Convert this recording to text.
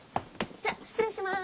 じゃ失礼します。